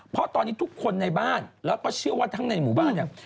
เพราะตอนนี้ทุกคนในบ้านแล้วก็เชื่อว่าทั้งในหมู่บ้านเนี่ย